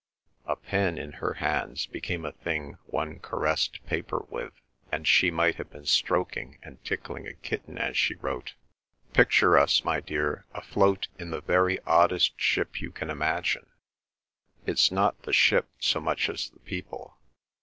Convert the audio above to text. A pen in her hands became a thing one caressed paper with, and she might have been stroking and tickling a kitten as she wrote: Picture us, my dear, afloat in the very oddest ship you can imagine. It's not the ship, so much as the people.